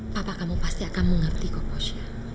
papa kamu pasti akan mengerti kau posya